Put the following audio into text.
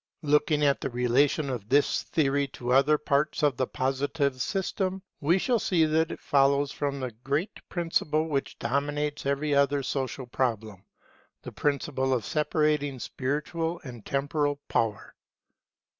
Looking at the relation of this theory to other parts of the Positive system, we shall see that it follows from the great principle which dominates every other social problem, the principle of separating spiritual and temporal power.